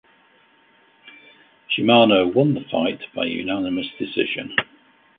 Shimano won the fight by unanimous decision.